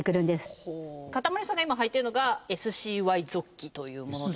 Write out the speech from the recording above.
かたまりさんが今はいてるのがＳＣＹ・ゾッキというもので。